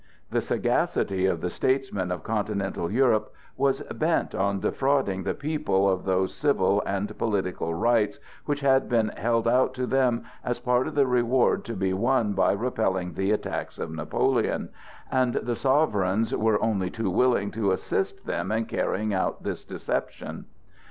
The sagacity of the statesmen of continental Europe was bent on defrauding the people of those civil and political rights which had been held out to them as part of the reward to be won by repelling the attacks of Napoleon, and the sovereigns were only too willing to assist them in carrying out this deception.